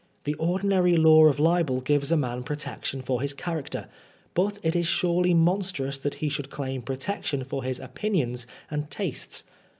The ordinary law of libel gives a man Erotection for his character, but it is surely monstrous that e should claim protection for his opinions and tastes.